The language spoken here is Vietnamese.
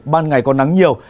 ban ngày còn nắng nhiều